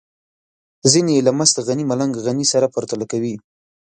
ځينې يې له مست غني ملنګ غني سره پرتله کوي.